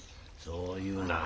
そう言うな。